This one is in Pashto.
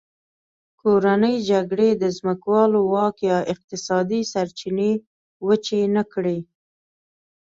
کورنۍ جګړې د ځمکوالو واک یا اقتصادي سرچینې وچې نه کړې.